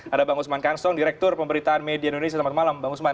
ada bang usman kansong direktur pemberitaan media indonesia selamat malam bang usman